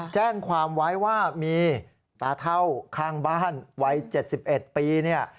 แจ้งความไว้ว่ามีตาเท่าข้างบ้านวัย๗๑ปีเนี่ย